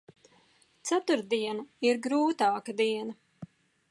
Ceturtdiena ir grūtāka diena.